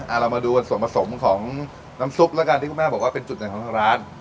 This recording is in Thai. เรามาดูส่วนผสมของน้ำซุปแล้วกันที่คุณแม่บอกว่าเป็นจุดไหนของทางร้าน